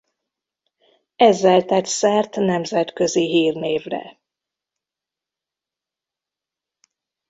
Ezzel tett szert nemzetközi hírnévre.